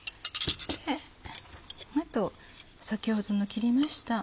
あと先ほどの切りました